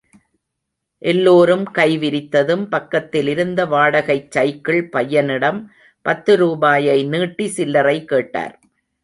எல்லோரும் கை விரித்ததும், பக்கத்தில் இருந்த வாடகைச் சைக்கிள் பையனிடம் பத்து ரூபாயை நீட்டி, சில்லறை கேட்டார்.